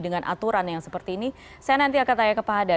dengan aturan yang seperti ini saya nanti akan tanya kepada